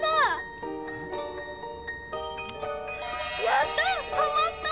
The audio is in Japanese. やった！